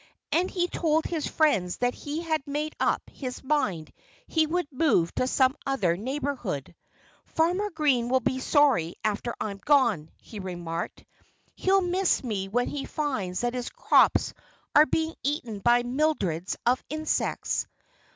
And he told his friends that he had about made up his mind he would move to some other neighborhood. "Farmer Green will be sorry after I'm gone," he remarked. "He'll miss me when he finds that his crops are being eaten by mildreds of insects."